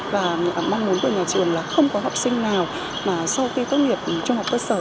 và mong muốn của nhà trường là không có học sinh nào mà sau khi tốt nghiệp trung học cơ sở